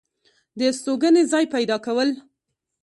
دا ستوګنې ځاے پېدا كول